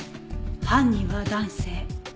犯人は男性。